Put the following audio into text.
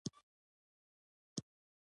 چې د مور زړګی دې راوړي زما لپاره.